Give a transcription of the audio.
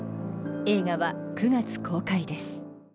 映画は９月公開です。